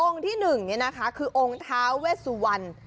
องค์ที่หนึ่งนี่นะคะคือองค์ท้าเวสุวรรณ